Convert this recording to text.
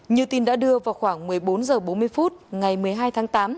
như tin đã đưa vào khoảng một mươi bốn h bốn mươi phút ngày một mươi hai tháng tám